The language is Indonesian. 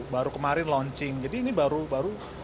baru kemarin launching jadi ini baru baru